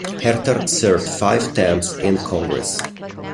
Herter served five terms in Congress.